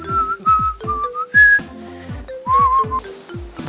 tunggu aku bentar suaranya